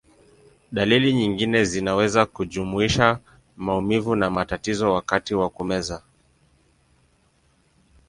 Dalili nyingine zinaweza kujumuisha maumivu na matatizo wakati wa kumeza.